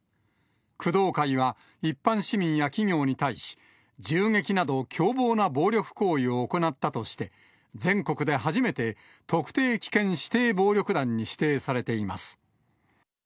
工藤会は一般市民や企業に対し、銃撃など凶暴な暴力行為を行ったとして、全国で初めて、特定危険指定暴力団に指定されています。